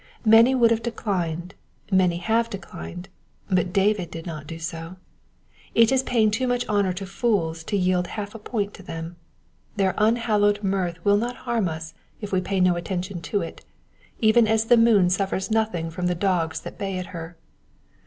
Many would have declined, many have declined, but David did not do so. It is paying too much honour to fools to yield half a point to them. Their unhallowed mirth will not harm us if we pay no attention to it, even as the moon suffers nothing from the dogs that bay at her.